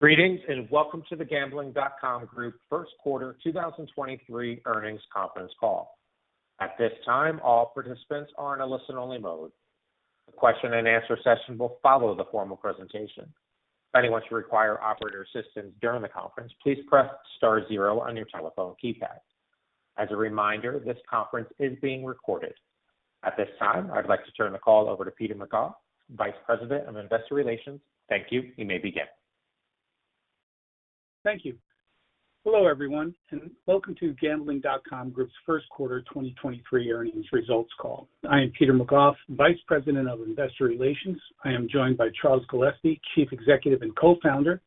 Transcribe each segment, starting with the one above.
Greetings, welcome to the Gambling.com Group First Quarter 2023 Earnings Conference Call. At this time, all participants are in a listen-only mode. The question and answer session will follow the formal presentation. If anyone should require operator assistance during the conference, please press star zero on your telephone keypad. As a reminder, this conference is being recorded. At this time, I'd like to turn the call over to Peter McGough, Vice President of Investor Relations. Thank you. You may begin. Thank you. Hello, everyone, and welcome to Gambling.com Group's first quarter 2023 earnings results call. I am Peter McGough, Vice President of Investor Relations. I am joined by Charles Gillespie, Chief Executive and Co-founder,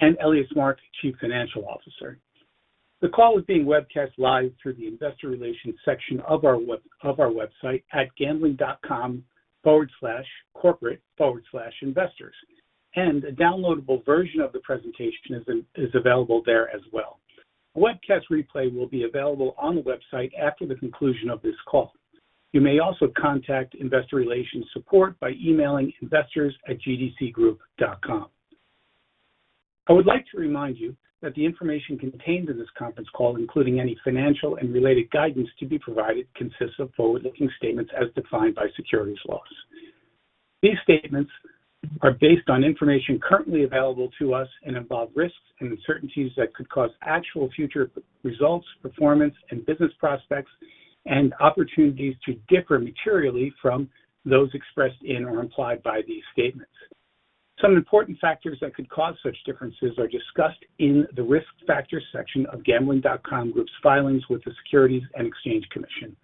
and Elias Mark, Chief Financial Officer. The call is being webcast live through the investor relations section of our website at gambling.com/corporate/investors. A downloadable version of the presentation is available there as well. A webcast replay will be available on the website after the conclusion of this call. You may also contact investor relations support by emailing investors@gdcgroup.com. I would like to remind you that the information contained in this conference call, including any financial and related guidance to be provided, consists of forward-looking statements as defined by securities laws. These statements are based on information currently available to us and involve risks and uncertainties that could cause actual future results, performance and business prospects and opportunities to differ materially from those expressed in or implied by these statements. Some important factors that could cause such differences are discussed in the Risk Factors section of Gambling.com Group's filings with the Securities and Exchange Commission.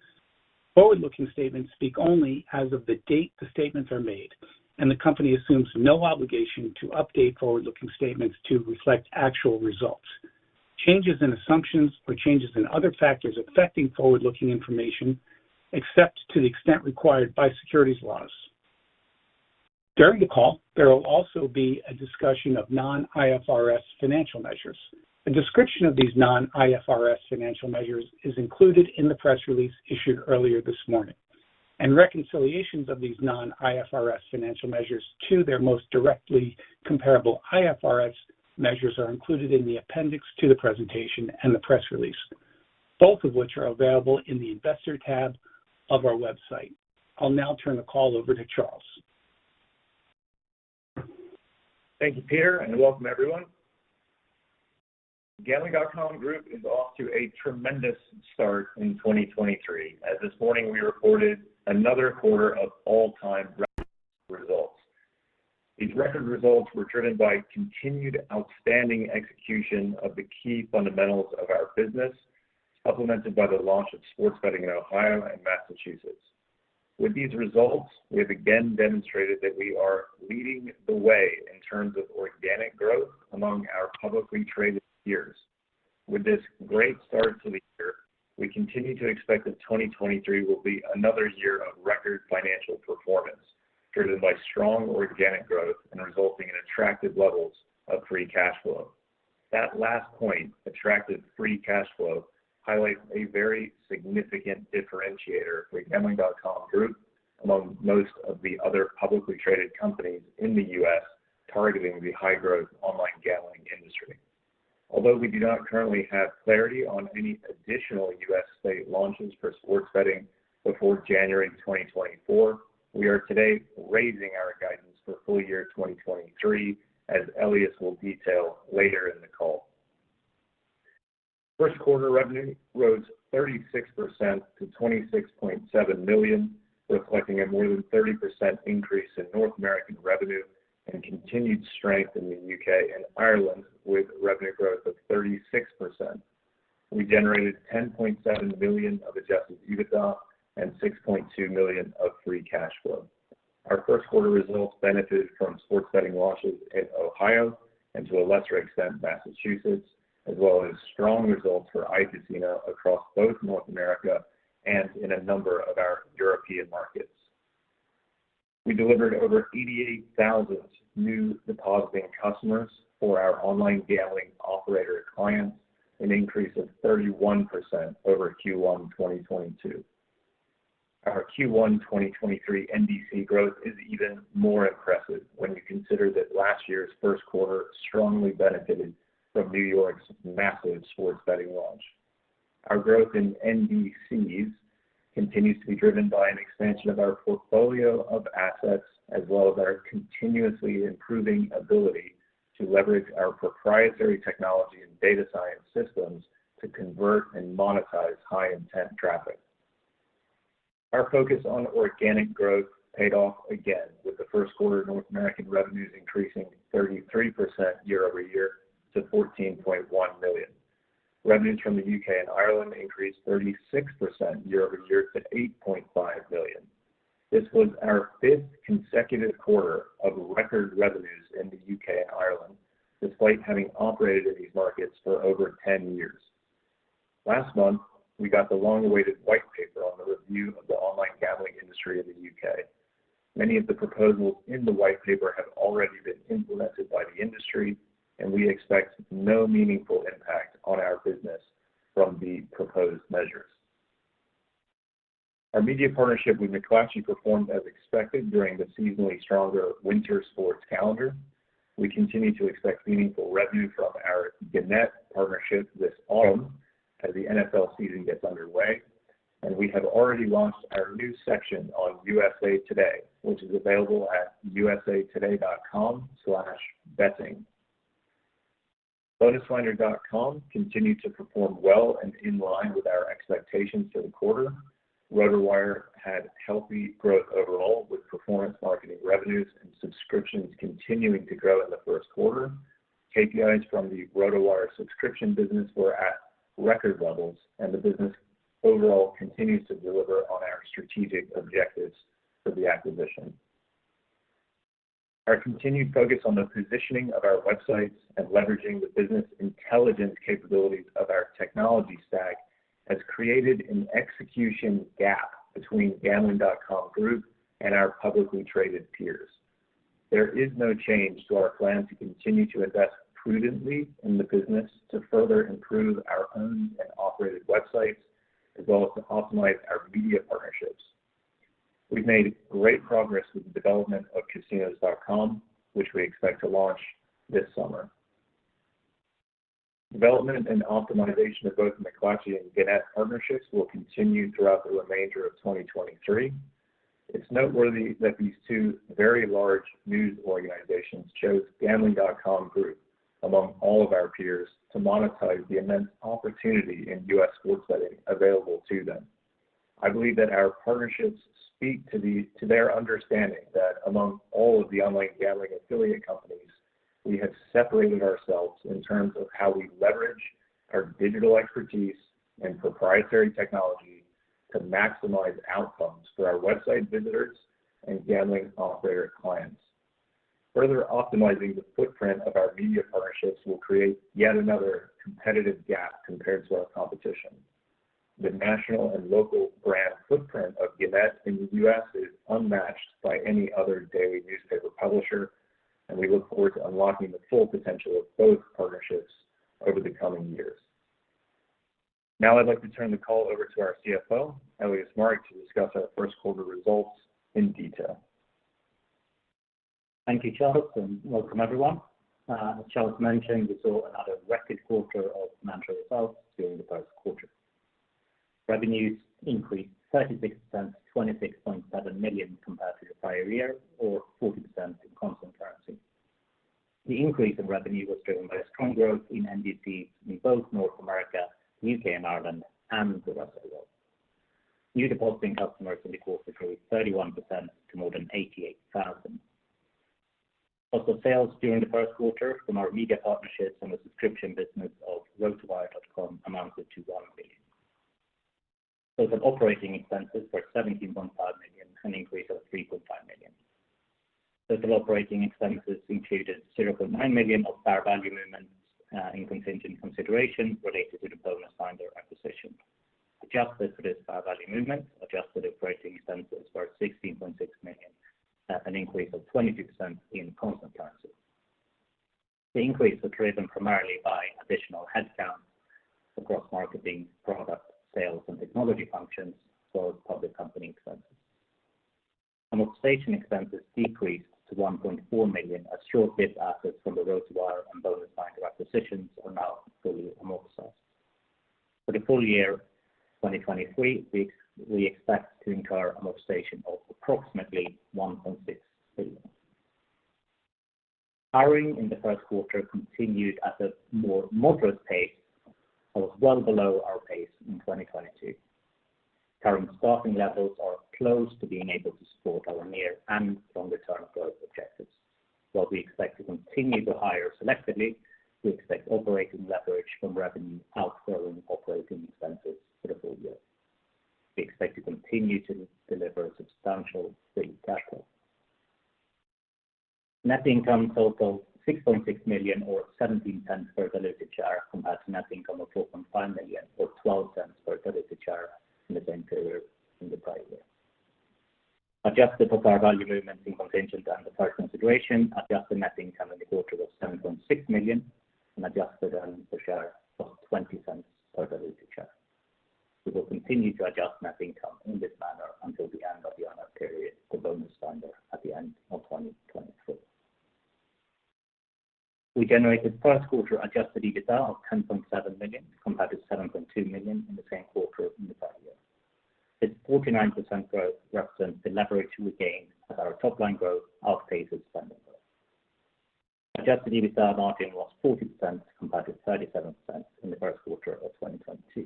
Forward-looking statements speak only as of the date the statements are made, and the company assumes no obligation to update forward-looking statements to reflect actual results. Changes in assumptions or changes in other factors affecting forward-looking information, except to the extent required by securities laws. During the call, there will also be a discussion of non-IFRS financial measures. A description of these non-IFRS financial measures is included in the press release issued earlier this morning. Reconciliations of these non-IFRS financial measures to their most directly comparable IFRS measures are included in the appendix to the presentation and the press release, both of which are available in the Investor tab of our website. I'll now turn the call over to Charles. Thank you, Peter, and welcome everyone. Gambling.com Group is off to a tremendous start in 2023 as this morning we reported another quarter of all-time results. These record results were driven by continued outstanding execution of the key fundamentals of our business, supplemented by the launch of sports betting in Ohio and Massachusetts. With these results, we have again demonstrated that we are leading the way in terms of organic growth among our publicly traded peers. With this great start to the year, we continue to expect that 2023 will be another year of record financial performance, driven by strong organic growth and resulting in attractive levels of free cash flow. That last point, attractive free cash flow, highlights a very significant differentiator for the Gambling.com Group among most of the other publicly traded companies in the U.S. targeting the high-growth online gambling industry. Although we do not currently have clarity on any additional U.S. state launches for sports betting before January 2024, we are today raising our guidance for full year 2023, as Elias will detail later in the call. First quarter revenue rose 36% to $26.7 million, reflecting a more than 30% increase in North American revenue and continued strength in the U.K. and Ireland with revenue growth of 36%. We generated $10.7 million of Adjusted EBITDA and $6.2 million of free cash flow. Our first quarter results benefited from sports betting launches in Ohio and to a lesser extent, Massachusetts, as well as strong results for iCasino across both North America and in a number of our European markets. We delivered over 88,000 New Depositing Customers for our online gambling operator clients, an increase of 31% over Q1 2022. Our Q1 2023 NDC growth is even more impressive when you consider that last year's first quarter strongly benefited from New York's massive sports betting launch. Our growth in NDCs continues to be driven by an expansion of our portfolio of assets, as well as our continuously improving ability to leverage our proprietary technology and data science systems to convert and monetize high intent traffic. Our focus on organic growth paid off again with the first quarter North American revenues increasing 33% year-over-year to $14.1 million. Revenues from the U.K. and Ireland increased 36% year-over-year to $8.5 million. This was our fifth consecutive quarter of record revenues in the U.K. and Ireland, despite having operated in these markets for over 10 years. Last month, we got the long-awaited White Paper on the review of the online gambling industry in the U.K. Many of the proposals in the White Paper have already been implemented by the industry, and we expect no meaningful impact on our business from the proposed measures. Our media partnership with McClatchy performed as expected during the seasonally stronger winter sports calendar. We continue to expect meaningful revenue from our Gannett partnership this autumn as the NFL season gets underway, and we have already launched our new section on USA TODAY, which is available at usatoday.com/betting. BonusFinder.com continued to perform well and in line with our expectations for the quarter. RotoWire had healthy growth overall, with performance marketing revenues and subscriptions continuing to grow in the first quarter. KPIs from the RotoWire subscription business were at record levels, and the business overall continues to deliver on our strategic objectives for the acquisition. Our continued focus on the positioning of our websites and leveraging the business intelligence capabilities of our technology stack has created an execution gap between Gambling.com Group and our publicly traded peers. There is no change to our plan to continue to invest prudently in the business to further improve our owned and operated websites, as well as to optimize our media partnerships. We've made great progress with the development of Casinos.com, which we expect to launch this summer. Development and optimization of both McClatchy and Gannett partnerships will continue throughout the remainder of 2023. It's noteworthy that these two very large news organizations chose Gambling.com Group among all of our peers to monetize the immense opportunity in U.S. sports betting available to them. I believe that our partnerships speak to their understanding that among all of the online gambling affiliate companies, we have separated ourselves in terms of how we leverage our digital expertise and proprietary technology to maximize outcomes for our website visitors and gambling operator clients. Further optimizing the footprint of our media partnerships will create yet another competitive gap compared to our competition. The national and local brand footprint of Gannett in the U.S. is unmatched by any other daily newspaper publisher, and we look forward to unlocking the full potential of both partnerships over the coming years. I'd like to turn the call over to our CFO, Elias Mark, to discuss our first quarter results in detail. Thank you, Charles, and welcome, everyone. As Charles mentioned, we saw another record quarter of financial results during the first quarter. Revenues increased 36% to $26.7 million compared to the prior year, or 40% in constant currency. The increase in revenue was driven by strong growth in NDC in both North America, U.K. and Ireland, and the rest of the world. New depositing customers in the quarter grew 31% to more than 88,000. Also, sales during the first quarter from our media partnerships and the subscription business of RotoWire.com amounted to $1 million. Total operating expenses were $17.5 million, an increase of $3.5 million. Total operating expenses included $0.9 million of fair value movements in contingent consideration related to the BonusFinder acquisition. Adjusted for this fair value movement, adjusted operating expenses were $16.6 million, an increase of 22% in constant currency. The increase was driven primarily by additional headcount across marketing, product, sales, and technology functions for public company expenses. Amortization expenses decreased to $1.4 million as short-lived assets from the RotoWire and BonusFinder acquisitions are now fully amortized. For the full year 2023, we expect to incur amortization of approximately $1.6 million. Hiring in the first quarter continued at a more moderate pace that was well below our pace in 2022. Current staffing levels are close to being able to support our near and longer-term growth objectives. While we expect to continue to hire selectively, we expect operating leverage from revenue outgrowing operating expenses for the full year. We expect to continue to deliver substantial free cash flow. Net income total $6.6 million or $0.17 per diluted share, compared to net income of $4.5 million or $0.12 per diluted share in the same period in the prior year. Adjusted for fair value movements in contingent on the first consideration, adjusted net income in the quarter was $7.6 million and adjusted earnings per share of $0.20 per diluted share. We will continue to adjust net income in this manner until the end of the earn-out period for BonusFinder at the end of 2024. We generated first quarter Adjusted EBITDA of $10.7 million, compared to $7.2 million in the same quarter in the prior year. This 49% growth represents the leverage we gained as our top-line growth outpaced its spending growth. Adjusted EBITDA margin was 40% compared to 37% in the first quarter of 2022.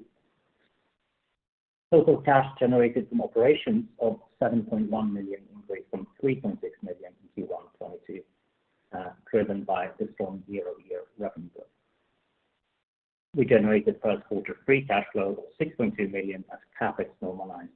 Total cash generated from operations of $7.1 million increased from $3.6 million in Q1 2022, driven by the strong year-over-year revenue growth. We generated first quarter free cash flow of $6.2 million as CapEx normalized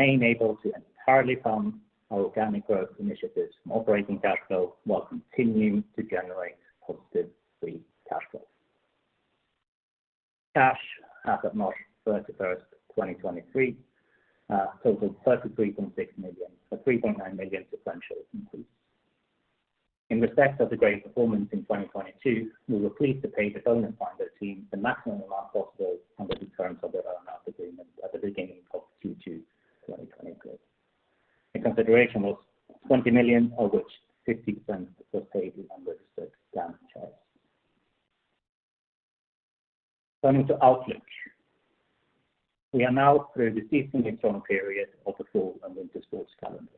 following the expansion to our domain name portfolio in 2021 and 2022 to include such new marquee names as Casinos.com. We remain able to entirely fund our organic growth initiatives from operating cash flow while continuing to generate positive free cash flow. Cash as of March 31st, 2023, totaled $33.6 million, a $3.9 million sequential increase. In respect of the great performance in 2022, we were pleased to pay the founder team the maximum amount possible under the terms of the earn-out agreement at the beginning of Q2 2023. The consideration was $20 million, of which 50% was paid in unregistered GAMB shares. Turning to outlook. We are now through the seasonal period of the fall and winter sports calendar.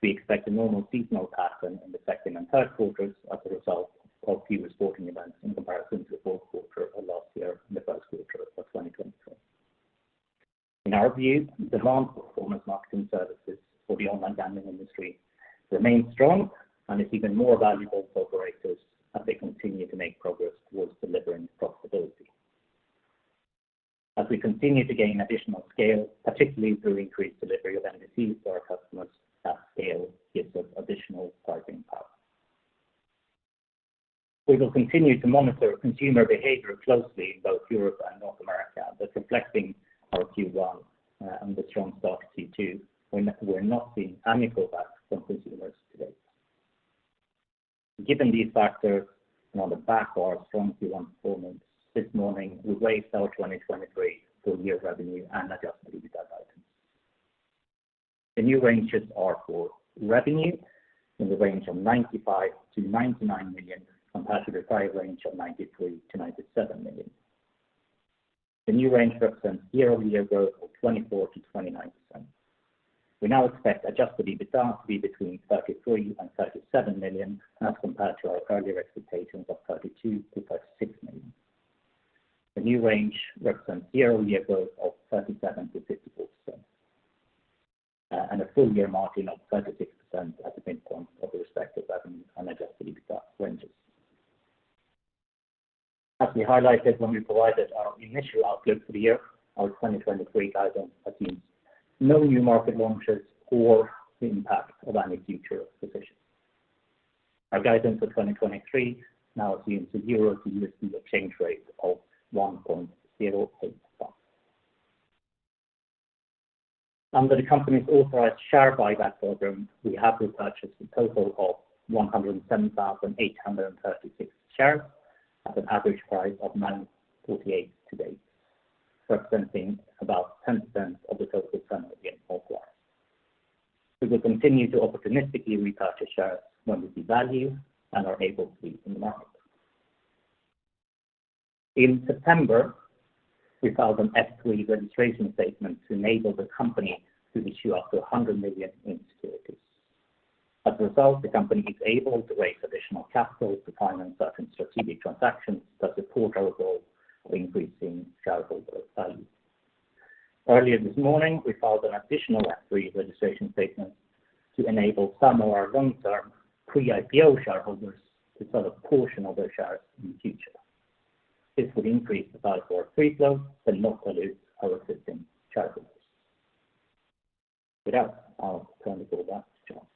We expect a normal seasonal pattern in the second and third quarters as a result of fewer sporting events in comparison to the fourth quarter of last year and the first quarter of 2023. In our view, demand for performance marketing services for the online gambling industry remains strong and is even more valuable for operators as they continue to make progress towards delivering profitability. As we continue to gain additional scale, particularly through increased delivery of NDC for our customers, that scale gives us additional bargaining power. We will continue to monitor consumer behavior closely in both Europe and North America, but reflecting our Q1 and the strong start to Q2, we're not seeing any pullback from consumers to date. Given these factors and on the back of our strong Q1 performance, this morning we raised our 2023 full year revenue and Adjusted EBITDA guidance. The new ranges are for revenue in the range of $95 million-$99 million, compared to the prior range of $93 million-$97 million. The new range represents year-over-year growth of 24%-29%. We now expect Adjusted EBITDA to be between $33 million and $37 million, as compared to our earlier expectations of $32 million-$36 million. The new range represents year-over-year growth of 37%-54% and a full year margin of 36% at the midpoint of the respective revenue and Adjusted EBITDA ranges. As we highlighted when we provided our initial outlook for the year, our 2023 guidance assumes no new market launches or the impact of any future acquisitions. Our guidance for 2023 now assumes a euro to U.S. dollar exchange rate of 1.085. Under the company's authorized share buyback program, we have repurchased a total of 107,836 shares at an average price of $9.48 to date, representing about 10% of the total return against fourth quarter. We will continue to opportunistically repurchase shares when we devalue and are able to in the market. In September, we filed an F-3 registration statement to enable the company to issue up to $100 million in securities. As a result, the company is able to raise additional capital to finance certain strategic transactions that support our goal of increasing shareholder value. Earlier this morning, we filed an additional F-3 registration statement to enable some of our long-term pre-IPO shareholders to sell a portion of their shares in the future. This would increase the value of our free float but not dilute our existing shareholders. With that, I'll turn the call back to Charles.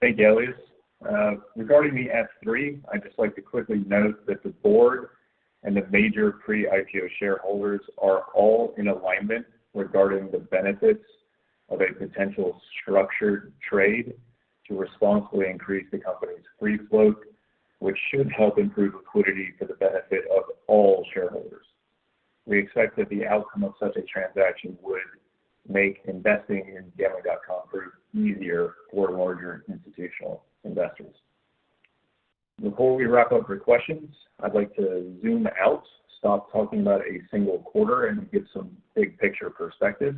Thank you, Elias. Regarding the F-3, I'd just like to quickly note that the board and the major pre-IPO shareholders are all in alignment regarding the benefits of a potential structured trade to responsibly increase the company's free float, which should help improve liquidity for the benefit of all shareholders. We expect that the outcome of such a transaction would make investing in Gambling.com Group easier for larger institutional investors. Before we wrap up for questions, I'd like to zoom out, stop talking about a single quarter, and give some big picture perspective.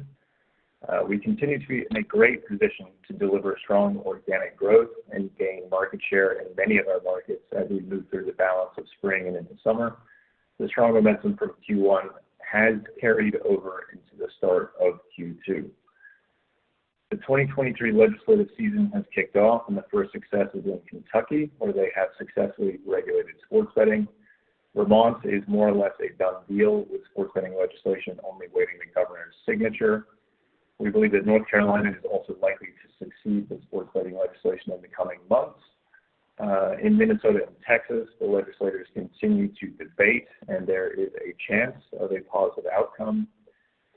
We continue to be in a great position to deliver strong organic growth and gain market share in many of our markets as we move through the balance of spring and into summer. The strong momentum from Q1 has carried over into the start of Q2. The 2023 legislative season has kicked off, and the first success is in Kentucky, where they have successfully regulated sports betting. Vermont is more or less a done deal, with sports betting legislation only awaiting the governor's signature. We believe that North Carolina is also likely to succeed with sports betting legislation in the coming months. In Minnesota and Texas, the legislators continue to debate, and there is a chance of a positive outcome.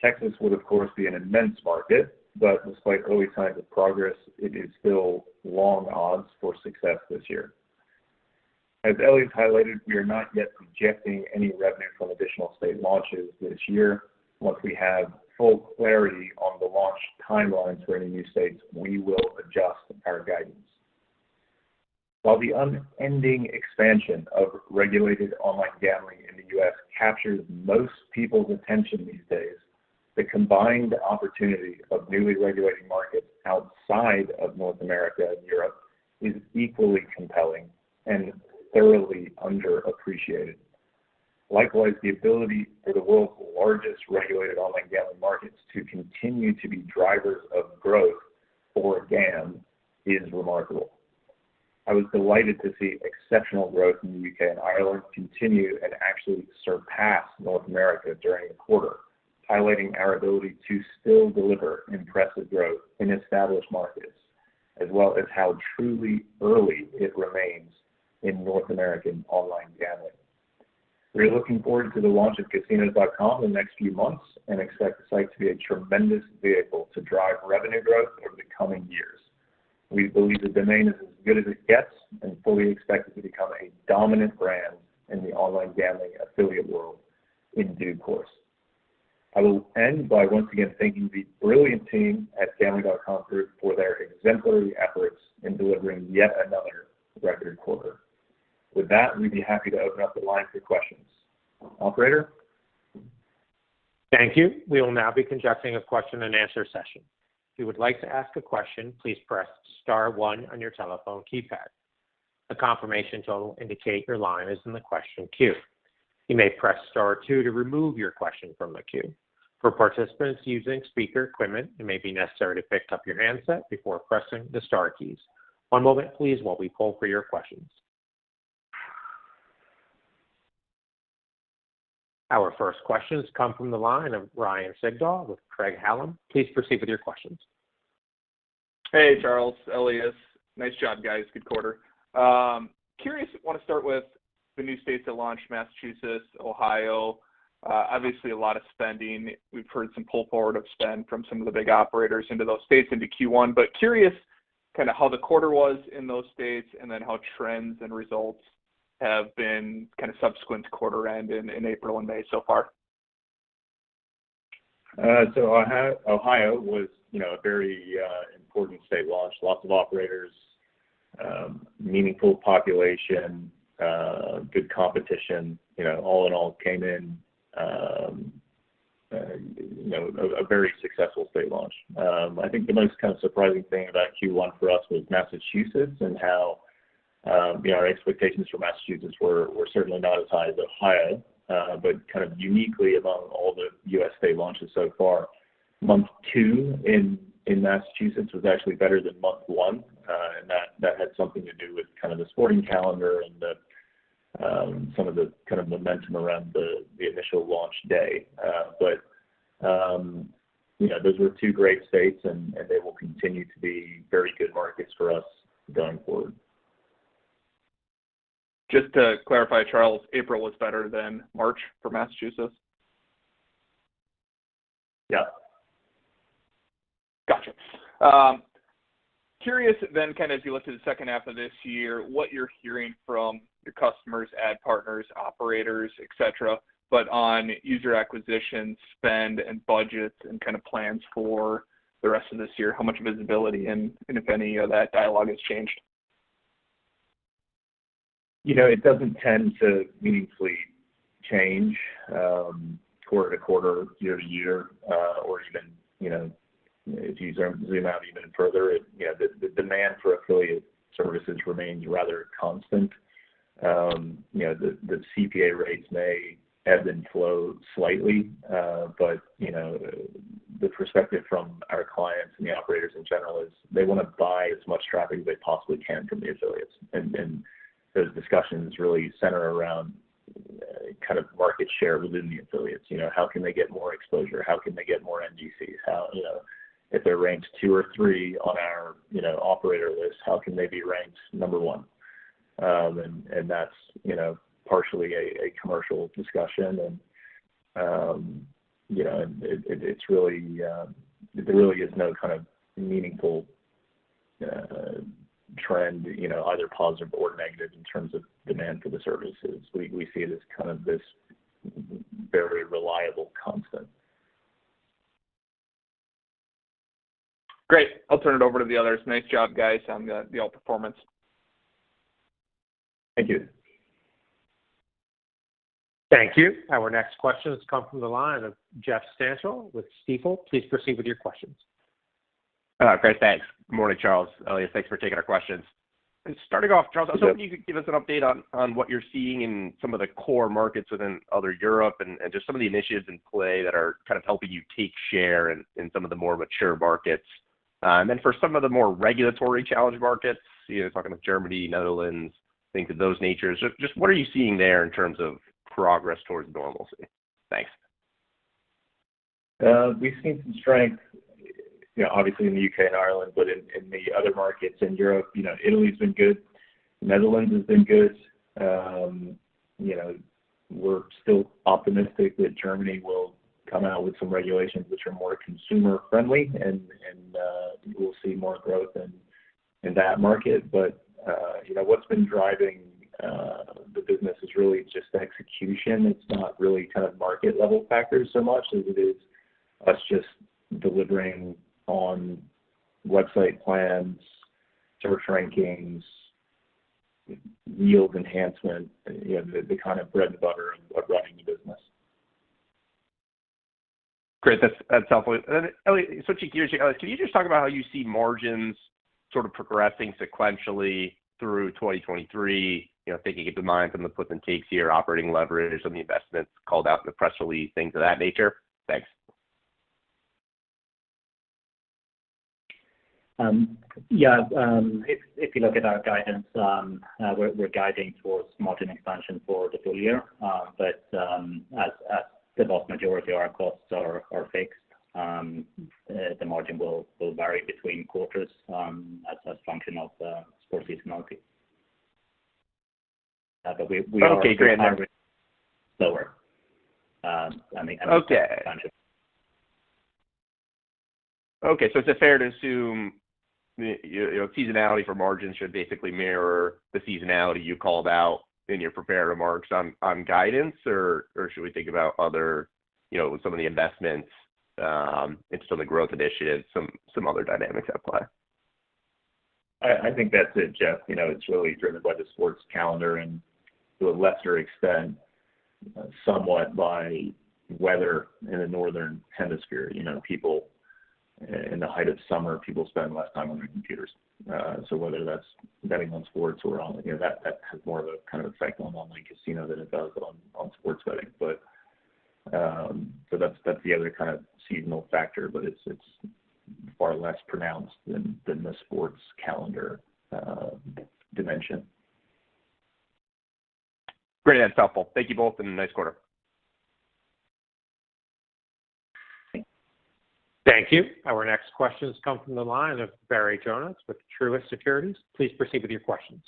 Texas would, of course, be an immense market, but despite early signs of progress, it is still long odds for success this year. As Elias highlighted, we are not yet projecting any revenue from additional state launches this year. Once we have full clarity on the launch timelines for any new states, we will adjust our guidance. While the unending expansion of regulated online gambling in the U.S. captures most people's attention these days, the combined opportunity of newly regulating markets outside of North America and Europe is equally compelling and thoroughly underappreciated. Likewise, the ability for the world's largest regulated online gambling markets to continue to be drivers of growth for GAM is remarkable. I was delighted to see exceptional growth in the U.K. and Ireland continue and actually surpass North America during the quarter, highlighting our ability to still deliver impressive growth in established markets. As well as how truly early it remains in North American online gambling. We're looking forward to the launch of Casinos.com in the next few months and expect the site to be a tremendous vehicle to drive revenue growth over the coming years. We believe the domain is as good as it gets and fully expect it to become a dominant brand in the online gambling affiliate world in due course. I will end by once again thanking the brilliant team at Gambling.com Group for their exemplary efforts in delivering yet another record quarter. With that, we'd be happy to open up the line for questions. Operator? Thank you. We will now be conducting a question-and-answer session. If you would like to ask a question, please press star one on your telephone keypad. A confirmation tone will indicate your line is in the question queue. You may press star two to remove your question from the queue. For participants using speaker equipment, it may be necessary to pick up your handset before pressing the star keys. One moment please while we poll for your questions. Our first questions come from the line of Ryan Sigdahl with Craig-Hallum. Please proceed with your questions. Hey, Charles, Elias. Nice job, guys. Good quarter. Want to start with the new states that launched Massachusetts, Ohio? Obviously a lot of spending. We've heard some pull forward of spend from some of the big operators into those states into Q1. Curious kind of how the quarter was in those states, and then how trends and results have been kind of subsequent to quarter end in April and May so far? Ohio was, you know, a very important state launch. Lots of operators, meaningful population, good competition. You know, all in all came in, you know, a very successful state launch. I think the most kind of surprising thing about Q1 for us was Massachusetts and how, you know, our expectations for Massachusetts were certainly not as high as Ohio. Kind of uniquely among all the U.S. state launches so far. Month two in Massachusetts was actually better than month one. That had something to do with kind of the sporting calendar and some of the kind of momentum around the initial launch day. You know, those were two great states and they will continue to be very good markets for us going forward. Just to clarify, Charles, April was better than March for Massachusetts? Yeah. Gotcha. Curious then kind of as you look to the second half of this year, what you're hearing from your customers, ad partners, operators, et cetera, but on user acquisition, spend and budgets and kind of plans for the rest of this year, how much visibility and if any of that dialogue has changed? You know, it doesn't tend to meaningfully change, quarter to quarter, year to year, or even, you know, if you zoom out even further. You know, the demand for affiliate services remains rather constant. You know, the CPA rates may ebb and flow slightly. You know, the perspective from our clients and the operators in general is they wanna buy as much traffic as they possibly can from the affiliates. Those discussions really center around kind of market share within the affiliates. You know, how can they get more exposure? How can they get more NDCs? How you know, if they're ranked two or three on our, you know, operator list, how can they be ranked number one? That's, you know, partially a commercial discussion and, you know, it's really, there really is no kind of meaningful trend, you know, either positive or negative in terms of demand for the services. We, we see it as kind of this very reliable constant. Great. I'll turn it over to the others. Nice job, guys, on the all performance. Thank you. Thank you. Our next question has come from the line of Jeff Stantial with Stifel. Please proceed with your questions. Great, thanks. Good morning, Charles, Elias. Thanks for taking our questions. starting off, Charles- Yep. I was hoping you could give us an update on what you're seeing in some of the core markets within other Europe and just some of the initiatives in play that are kind of helping you take share in some of the more mature markets. And then for some of the more regulatory challenged markets, you know, talking about Germany, Netherlands, things of those natures. Just what are you seeing there in terms of progress towards normalcy? Thanks. We've seen some strength, you know, obviously in the U.K. and Ireland, but in the other markets in Europe, you know, Italy's been good, Netherlands has been good. You know, we're still optimistic that Germany will come out with some regulations which are more consumer-friendly and, we'll see more growth in that market. What's been driving, the business is really just execution. It's not really kind of market-level factors so much as it is us just delivering on website plans, search rankings, yield enhancement, you know, the kind of bread and butter of running the business. Great. That's, that's helpful. Switching gears to you, Elias, can you just talk about how you see margins sort of progressing sequentially through 2023? You know, taking into mind some of the puts and takes here, operating leverage, some of the investments called out in the press release, things of that nature. Thanks. Yeah. If you look at our guidance, we're guiding towards margin expansion for the full year. As the vast majority of our costs are fixed, the margin will vary between quarters, as function of, sports seasonality. Uh, but we, we are- Okay, great. Lower. I mean. Okay. Is it fair to assume you know, seasonality for margins should basically mirror the seasonality you called out in your prepared remarks on guidance or should we think about other, you know, with some of the investments and some of the growth initiatives, some other dynamics apply? I think that's it, Jeff. You know, it's really driven by the sports calendar and to a lesser extent, somewhat by weather in the northern hemisphere. You know, people in the height of summer, people spend less time on their computers. Whether that's betting on sports or on, you know, that has more of a kind of effect on online casino than it does on sports betting. That's the other kind of seasonal factor, but it's far less pronounced than the sports calendar dimension. Great. That's helpful. Thank you both, and nice quarter. Thank you. Our next question comes from the line of Barry Jonas with Truist Securities. Please proceed with your questions.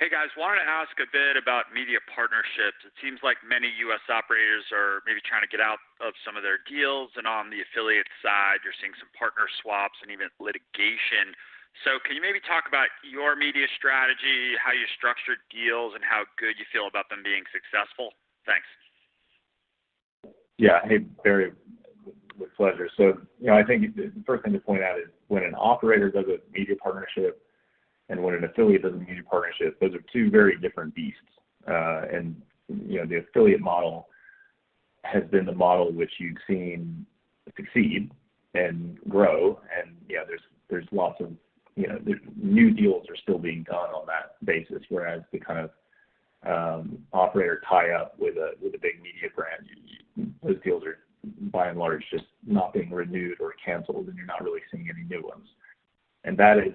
Hey, guys. Wanted to ask a bit about media partnerships. It seems like many U.S. operators are maybe trying to get out of some of their deals. On the affiliate side, you're seeing some partner swaps and even litigation. Can you maybe talk about your media strategy, how you structured deals, and how good you feel about them being successful? Thanks. Yeah. Hey, Barry. With pleasure. You know, I think the first thing to point out is when an operator does a media partnership and when an affiliate does a media partnership, those are two very different beasts. You know, the affiliate model has been the model which you've seen succeed and grow and, yeah, there's lots of, you know. The new deals are still being done on that basis, whereas the kind of operator tie-up with a big media brand, those deals are by and large just not being renewed or canceled, and you're not really seeing any new ones. That is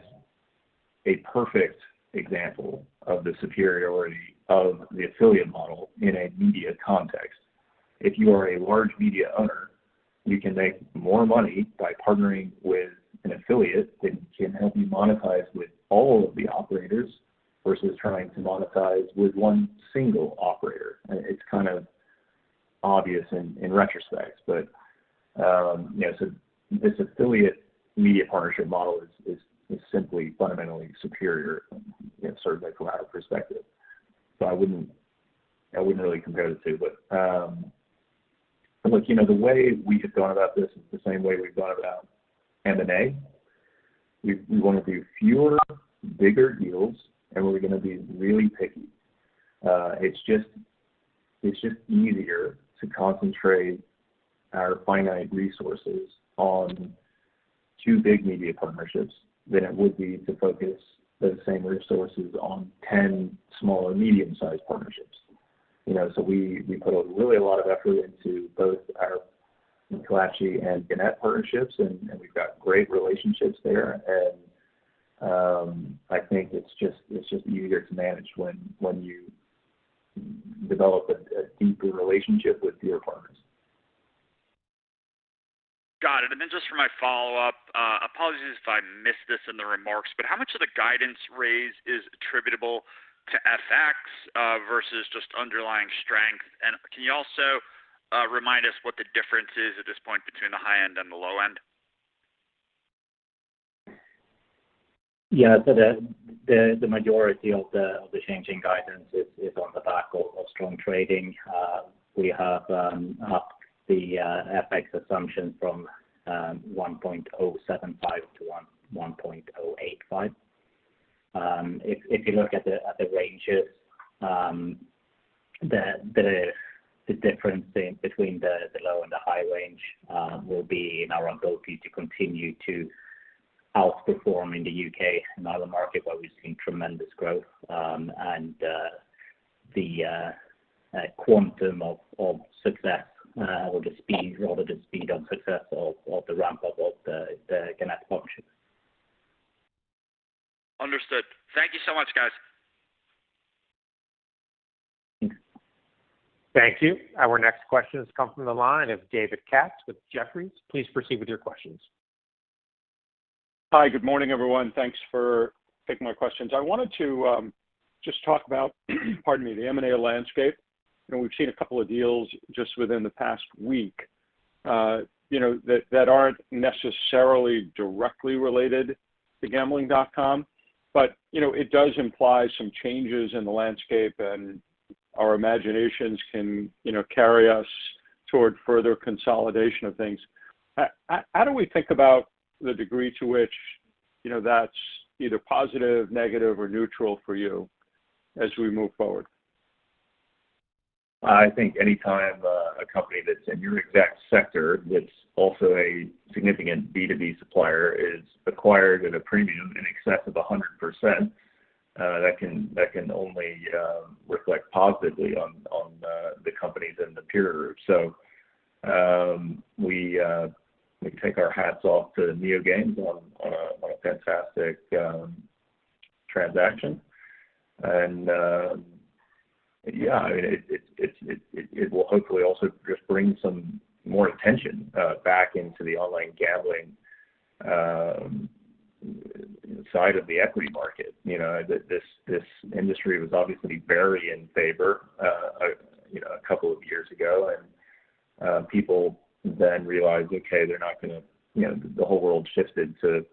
a perfect example of the superiority of the affiliate model in a media context. If you are a large media owner, you can make more money by partnering with an affiliate that can help you monetize with all of the operators versus trying to monetize with one single operator. It's kind of obvious in retrospect. This affiliate media partnership model is simply fundamentally superior, you know, certainly from our perspective. I wouldn't, I wouldn't really compare the two. Look, you know, the way we have gone about this is the same way we've gone about M&A. We wanna do fewer, bigger deals, and we're gonna be really picky. It's just easier to concentrate our finite resources on two big media partnerships than it would be to focus those same resources on 10 small or medium-sized partnerships. You know, we put a really a lot of effort into both our McClatchy and Gannett partnerships, and we've got great relationships there. I think it's just easier to manage when you develop a deeper relationship with your partners. Got it. Just for my follow-up, apologies if I missed this in the remarks, but how much of the guidance raise is attributable to FX versus just underlying strength? Can you also remind us what the difference is at this point between the high end and the low end? Yeah. The majority of the change in guidance is on the back of strong trading. We have up the FX assumption from 1.075 to 1.085. If you look at the ranges, the difference between the low and the high range will be in our ability to continue to outperform in the U.K. and Ireland market, where we've seen tremendous growth, and the quantum of success, or the speed, rather the speed of success of the ramp up of the Gannett function. Understood. Thank you so much, guys. Thank you. Our next question comes from the line of David Katz with Jefferies. Please proceed with your questions. Hi. Good morning, everyone. Thanks for taking my questions. I wanted to just talk about, pardon me, the M&A landscape. You know, we've seen a couple of deals just within the past week, you know, that aren't necessarily directly related to Gambling.com, but, you know, it does imply some changes in the landscape, and our imaginations can, you know, carry us toward further consolidation of things. How do we think about the degree to which, you know, that's either positive, negative, or neutral for you as we move forward? I think any time a company that's in your exact sector that's also a significant B2B supplier is acquired at a premium in excess of 100%, that can only reflect positively on the companies in the peer group. We take our hats off to NeoGames on a fantastic transaction. I mean, it will hopefully also just bring some more attention back into the online gambling side of the equity market. You know, this industry was obviously very in favor, you know, a couple of years ago. People then realized, okay, they're not gonna... You know, the whole world shifted to,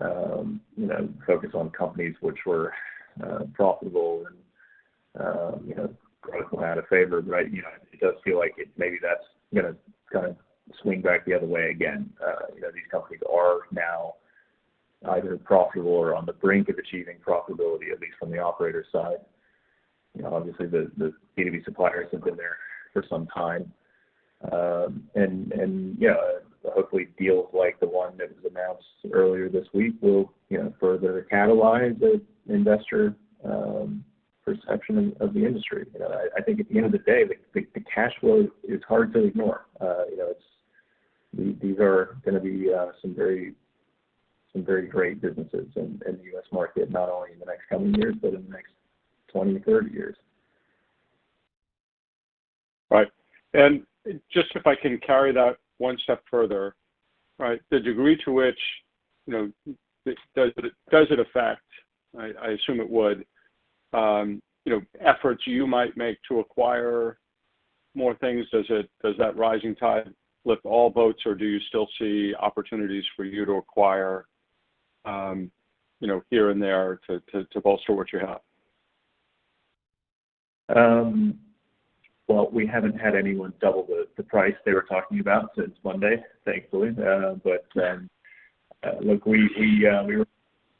you know, focus on companies which were profitable and, you know, growth went out of favor, right? You know, it does feel like maybe that's gonna kinda swing back the other way again. You know, these companies are now either profitable or on the brink of achieving profitability, at least from the operator side. You know, obviously, the B2B suppliers have been there for some time. And, you know, hopefully deals like the one that was announced earlier this week will, you know, further catalyze the investor perception of the industry. You know, I think at the end of the day, the cash flow is hard to ignore. You know, these are gonna be some very great businesses in the U.S. market, not only in the next coming years, but in the next 20 to 30 years. Right. Just if I can carry that one step further, right? The degree to which, you know, does it, does it affect, I assume it would, you know, efforts you might make to acquire more things? Does that rising tide lift all boats, or do you still see opportunities for you to acquire, you know, here and there to bolster what you have? Well, we haven't had anyone double the price they were talking about since Monday, thankfully. Look, we, we were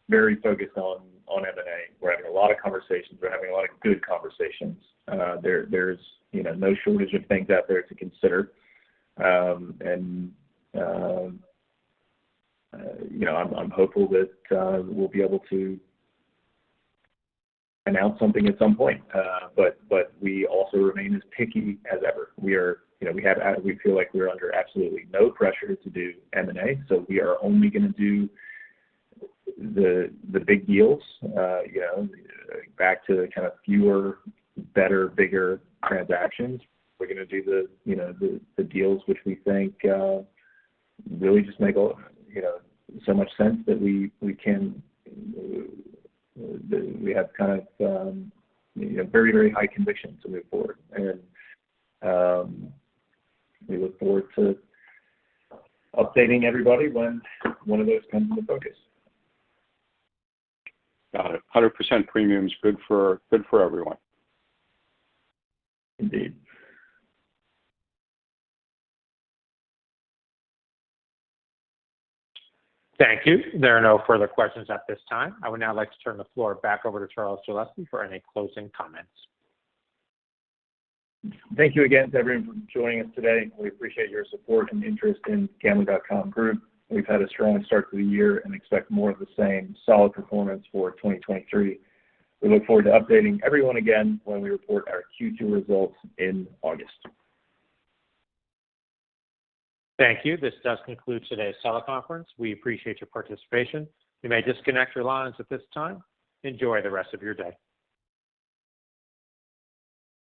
very focused on M&A. We're having a lot of conversations. We're having a lot of good conversations. There, there's, you know, no shortage of things out there to consider. You know, I'm hopeful that we'll be able to announce something at some point. But we also remain as picky as ever. You know, we feel like we're under absolutely no pressure to do M&A, so we are only gonna do the big deals, you know, back to kind of fewer, better, bigger transactions. We're gonna do the, you know, the deals which we think really just make a, you know, so much sense that we have kind of, you know, very high conviction to move forward. We look forward to updating everybody when one of those comes into focus. Got it. 100% premium is good for everyone. Indeed. Thank you. There are no further questions at this time. I would now like to turn the floor back over to Charles Gillespie for any closing comments. Thank you again to everyone for joining us today. We appreciate your support and interest in Gambling.com Group. We've had a strong start to the year and expect more of the same solid performance for 2023. We look forward to updating everyone again when we report our Q2 results in August. Thank you. This does conclude today's teleconference. We appreciate your participation. You may disconnect your lines at this time. Enjoy the rest of your day.